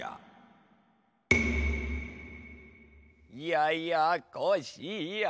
ややこしや。